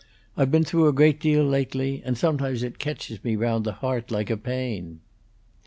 "I've been through a good deal lately; and sometimes it ketches me round the heart like a pain."